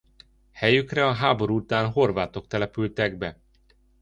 Helyükre a háború után horvátok települtek be.